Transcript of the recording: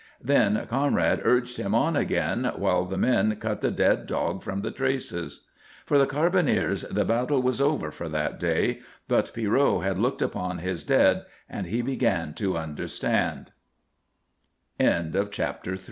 Then Conrad urged him on again while the men cut the dead dog from the traces. For the carbineers the battle was over for that day, but Pierrot had looked upon his dead and he began to understand.